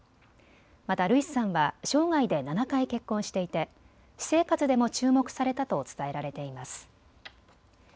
またルイスさんは生涯で７回結婚していて私生活でも注目されたと伝えられています。